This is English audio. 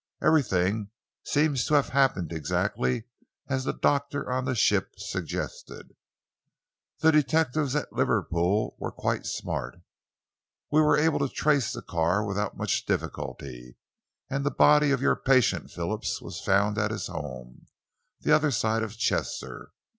"Everything seems to have happened exactly as the doctor on the ship suggested. The detectives at Liverpool were quite smart. We were able to trace the car without much difficulty, and the body of your patient Phillips was found at his home, the other side of Chester.